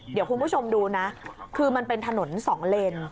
เดี๋ยวคุณผู้ชมดูนะคือมันเป็นถนนสองเลน